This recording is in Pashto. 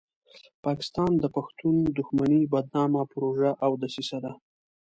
پاکستان د پښتون دښمنۍ بدنامه پروژه او دسیسه ده.